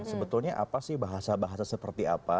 sebetulnya apa sih bahasa bahasa seperti apa